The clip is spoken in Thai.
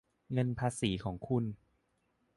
เงินภาษีของคุณ